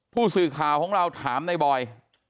ผู้สื่อข่าวของเราถามในบอย